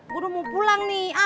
gue udah mau pulang nih